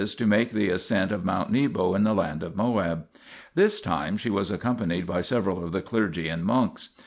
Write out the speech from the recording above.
to make the ascent of Mount Nebo in the land of Moab. This time she was accompanied by several of the clergy and monks.